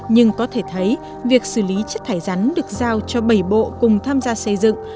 nhưng có thể thấy việc xử lý chất thải rắn được giao cho bảy bộ cùng tham gia xây dựng